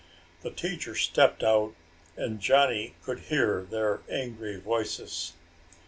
The teacher stepped out and Johnny could hear their angry voices.